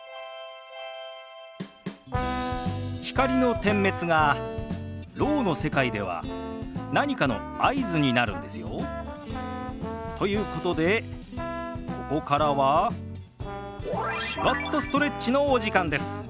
光の点滅がろうの世界では何かの合図になるんですよ。ということでここからは「手話っとストレッチ」のお時間です。